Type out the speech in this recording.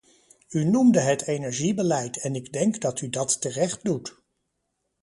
U noemde het energiebeleid en ik denk dat u dat terecht doet.